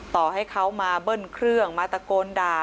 ต่อให้เขามาเบิ้ลเครื่องมาตะโกนด่า